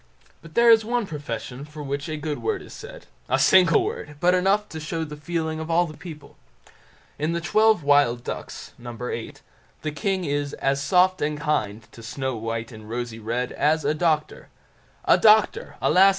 But there is one profession for which a good word is said, a single word, but enough to show the feeling of the people. In the "Twelve Wild Ducks" No. viii, the king is "as soft and kind" to Snow white and Rosy red "as a doctor"—a doctor, alas!